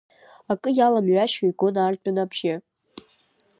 Акы иаламҩашьо игон ардәына абжьы.